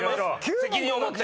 責任を持って。